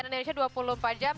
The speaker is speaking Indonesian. thank you olimpia